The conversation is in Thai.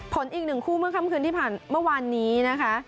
อีกหนึ่งคู่เมื่อค่ำคืนที่ผ่านมานะคะ